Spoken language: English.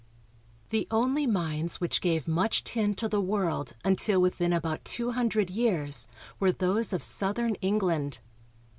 The only mines which gave much tin to the world until within about two hundred years were those of southern England.